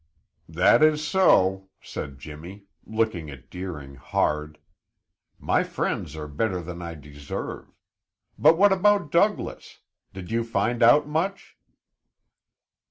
"That is so," said Jimmy, looking at Deering hard. "My friends are better than I deserve. But what about Douglas? Did you find out much?"